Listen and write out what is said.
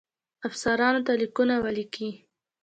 افسرانو ته لیکونه ولیکي.